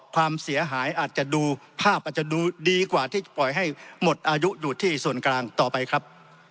ความเสียหายอาจจะดูภาพอาจจะดูดีกว่าที่ปล่อยให้หมดอายุอยู่ที่ส่วนกลางต่อไปครับ